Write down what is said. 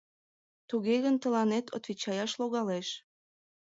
— Туге гын тыланет отвечаяш логалеш...